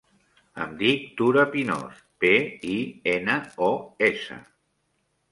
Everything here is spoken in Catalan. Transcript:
Em dic Tura Pinos: pe, i, ena, o, essa.